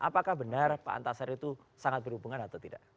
apakah benar pak antasari itu sangat berhubungan atau tidak